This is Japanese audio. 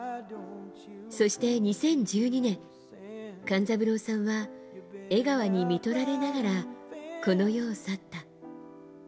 そして、２０１２年勘三郎さんは江川に看取られながらこの世を去った。